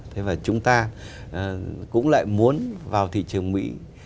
thế và chúng ta cũng lại muốn vào thị trường mỹ